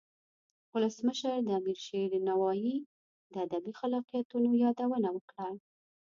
ولسمشر د امیر علي شیر نوایی د ادبی خلاقیتونو یادونه وکړه.